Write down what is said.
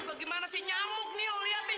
bagaimana sih nyamuk nih liat nih